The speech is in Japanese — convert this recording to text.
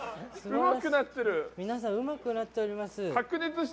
皆さんうまくなっております。